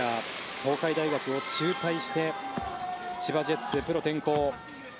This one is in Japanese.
東海大学を中退して千葉ジェッツへプロ転向。